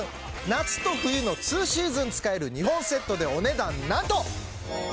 夏と冬のツーシーズン使える２本セットでお値段なんと。